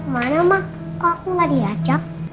mana mah kok aku gak diajak